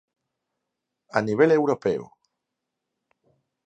A nivel Europeo.